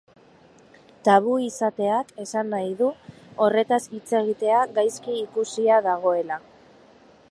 Tabu izateak esan nahi du, horretaz hitz egitea gaizki ikusia dagoela.